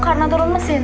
karena turun mesin